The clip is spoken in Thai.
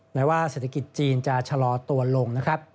แม้ว่าเศรษฐกิจจีนจะชะลอตัวลงนะครับ